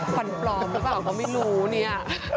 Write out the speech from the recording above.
ฟันปลอมหรือเปล่าก็ไม่รู้เนี่ย